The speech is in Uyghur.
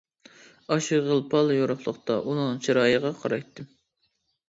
ئاشۇ غىل-پال يورۇقلۇقتا ئۇنىڭ چىرايىغا قارايتتىم.